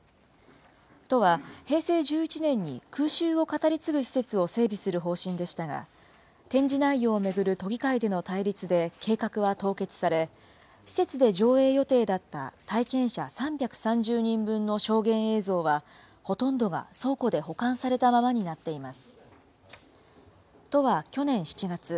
都は平成１１年に、空襲を語り継ぐ施設を整備する方針でしたが、展示内容を巡る都議会での対立で、計画は凍結され、施設で上映予定だった、体験者３３０人分の証言映像は、ほとんどが倉庫で保管されたままになっています。